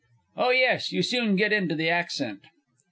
Oh, yes; you soon get into the accent.